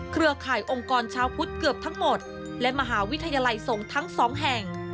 เครือข่ายองค์กรชาวพุทธเกือบทั้งหมดและมหาวิทยาลัยส่งทั้งสองแห่ง